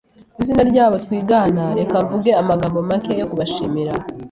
Mw'izina ryabo twigana, reka mvuge amagambo make yo kubashimira.